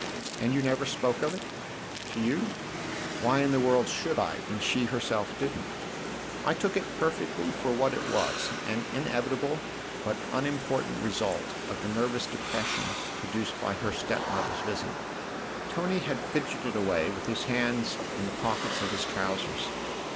"And you never spoke of it ?"" To you ? Why in the world should I when she herself didn't ? I took it perfectly for what it was an inevitable but unimportant result of the nervous depression produced by her step mother's visit." Tony had fidgeted away with his hands in the pockets of his trousers.